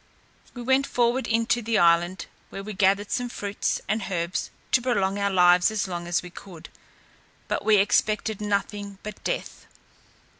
We went forward into the island, where we gathered some fruits and herbs to prolong our lives as long as we could; but we expected nothing but death.